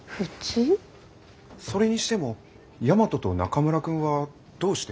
それにしても大和と中村くんはどうして？